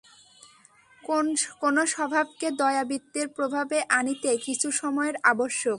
কোন স্বভাবকে দয়াবৃত্তির প্রভাবে আনিতে কিছু সময়ের আবশ্যক।